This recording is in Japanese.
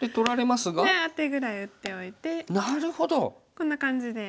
こんな感じで。